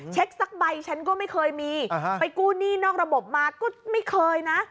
สักใบฉันก็ไม่เคยมีไปกู้หนี้นอกระบบมาก็ไม่เคยนะ